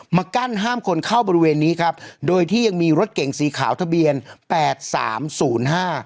กั้นห้ามคนเข้าบริเวณนี้ครับโดยที่ยังมีรถเก่งสีขาวทะเบียนแปดสามศูนย์ห้า